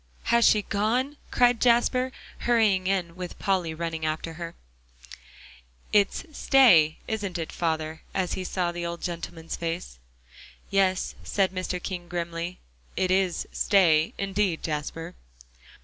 "Has she gone?" cried Jasper, hurrying in with Polly running after. "It's 'stay,' isn't it, father?" as he saw the old gentleman's face. "Yes," said Mr. King grimly, "it is 'stay' indeed, Jasper."